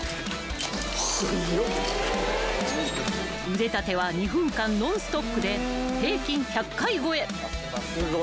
［腕立ては２分間ノンストップで平均１００回超え］